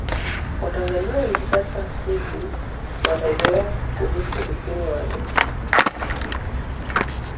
Watanzania wengi sasa hivi wanaelewa kuhusu uchumi wa nchi